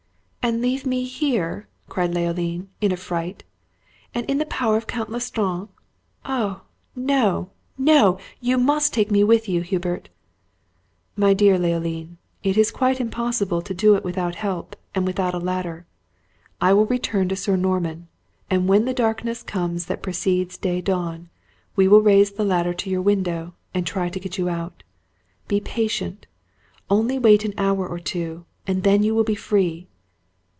"And leave me here?" cried Leoline, in affright, "and in the power of Count L'Estrange? Oh! no, no! You must take me with you, Hubert!" "My dear Leoline, it is quite impossible to do it without help, and without a ladder. I will return to Sir Norman; and when the darkness comes that precedes day dawn, we will raise the ladder to your window, and try to get you out. Be patient only wait an hour or two, and then you will be free."